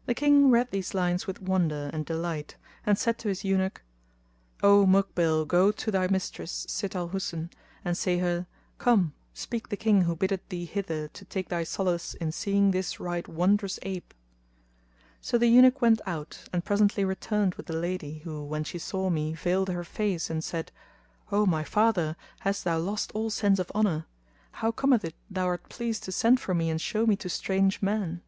[FN#246] The King read these lines with wonder and delight and said to his Eunuch,[FN#247] "O Mukbil, go to thy mistress, Sitt al Husn,[FN#248] and say her, 'Come, speak the King who biddeth thee hither to take thy solace in seeing this right wondrous ape!"' So the Eunuch went out and presently returned with the lady who, when she saw me veiled her face and said, "O my father! hast thou lost all sense of honour? How cometh it thou art pleased to send for me and show me to strange men?"